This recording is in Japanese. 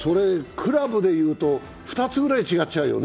クラブで言うと、２つぐらい違っちゃうよね？